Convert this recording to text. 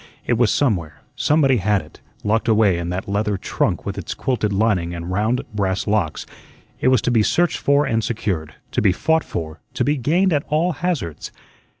It was somewhere, somebody had it, locked away in that leather trunk with its quilted lining and round brass locks. It was to be searched for and secured, to be fought for, to be gained at all hazards.